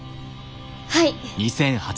はい。